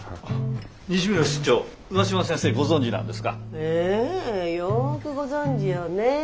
ええよくご存じよねえ。